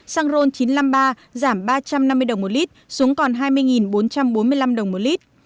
xăng ron chín trăm năm mươi ba giảm ba trăm năm mươi đồng một lit xuống còn hai mươi bốn trăm bốn mươi năm đồng một lít